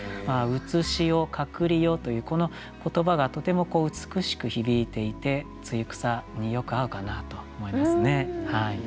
「現世」「隠世」というこの言葉がとても美しく響いていて「露草」によく合うかなと思いますね。